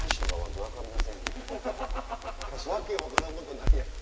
訳分からんことないやん。